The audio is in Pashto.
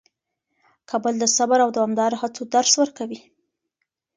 کابل د صبر او دوامداره هڅو درس ورکوي.